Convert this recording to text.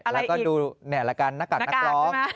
แล้วก็ดูแหน่ตรการนกักนักร้อง